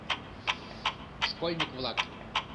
Школьник-влак.